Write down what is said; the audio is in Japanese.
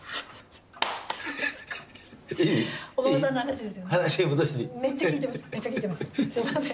すみません。